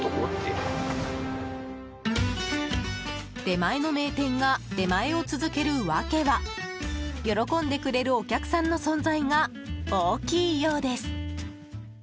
出前の名店が出前を続ける訳は喜んでくれるお客さんの存在が大きいようです。